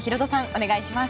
お願いします。